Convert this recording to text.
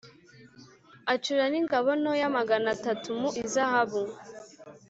Acura n’ingabo ntoya magana atatu mu izahabu